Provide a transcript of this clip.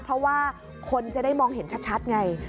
เพราะว่าคนจะได้มองเห็นชัดไง